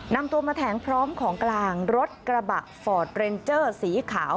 นำตัวมาแทงพร้อมของกลางรถกระบะฟอร์ดเรนเจอร์สีขาว